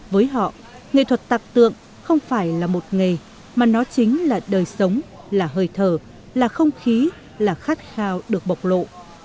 với họ nghệ thuật tạc tượng không phải là một nghề mà nó chính là đời sống là hơi thở là không khí là khát khao được bộc lộ